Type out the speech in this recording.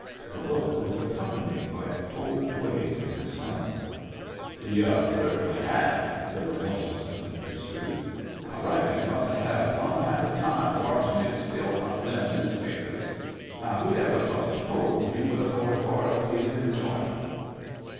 The look was accompanied by a cold wave in his stomach. " Y'u cert'nly have," the remorseless friend pur sued. " I reclfon he must have had a plumb happy time watchin' y'u still hunt them news papers. Now who'd ever have foretold you would afford Horacles enjoyment